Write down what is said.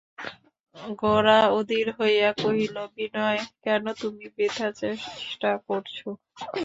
গোরা অধীর হইয়া কহিল, বিনয়, কেন তুমি বৃথা চেষ্টা করছ।